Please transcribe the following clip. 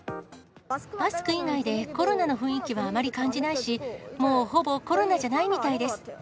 マスク以外でコロナの雰囲気はあまり感じないし、もうほぼコロナじゃないみたいです。